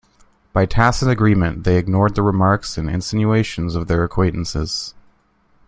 By tacit agreement they ignored the remarks and insinuations of their acquaintances.